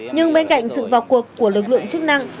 nhưng bên cạnh sự vào cuộc của lực lượng chức năng